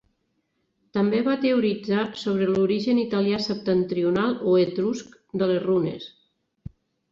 També va teoritzar sobre l'origen italià septentrional o etrusc de les runes.